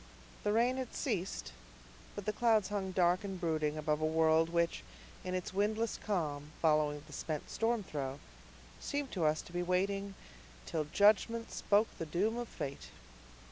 The rain had ceased, but the clouds hung dark and brooding above a world which, in its windless calm, following the spent storm throe, seemed to us to be waiting "till judgment spoke the doom of fate."